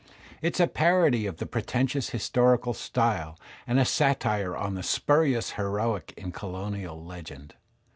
It is a parody of the pretentious historical style and a satire on the spurious heroic in colonial legend.